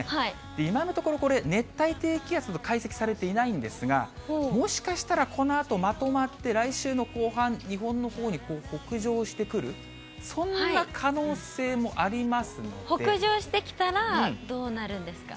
今のところ、これ、熱帯低気圧と解析されていないんですが、もしかしたらこのあとまとまって、来週の後半、日本のほうに北上してくる、北上してきたらどうなるんですか？